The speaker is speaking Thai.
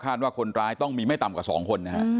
คาดว่าคนตายต้องมีไม่ต่ำกว่าสองคน